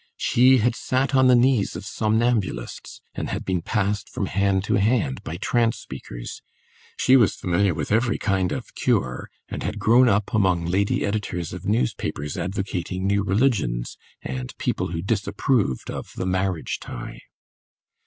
She had sat on the knees of somnambulists, and had been passed from hand to hand by trance speakers; she was familiar with every kind of "cure," and had grown up among lady editors of newspapers advocating new religions, and people who disapproved of the marriage tie.